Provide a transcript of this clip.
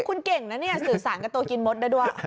คุณเก่งนะเนี่ยสื่อสารกับตัวกินมดได้ด้วย